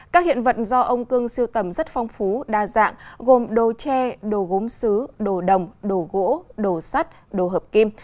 các hiện vật do ông cương siêu tầm rất phong phú đa dạng gồm đồ tre đồ gốm xứ đồ đồng đồ gỗ đồ sắt đồ hợp kim